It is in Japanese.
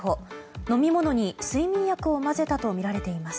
飲み物に睡眠薬を混ぜたとみられています。